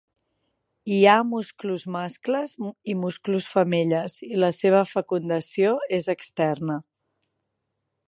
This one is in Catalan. Hi ha musclos mascles i musclos femelles i la seva fecundació és externa.